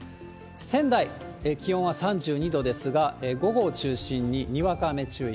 仙台、気温は３２度ですが、午後を中心ににわか雨注意。